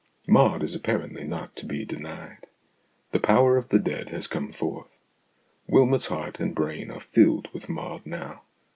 Maud is apparently not to be denied. The power of the dead has come forth. Wylmot's heart and brain are filled with Maud now.